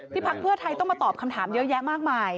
พักเพื่อไทยต้องมาตอบคำถามเยอะแยะมากมาย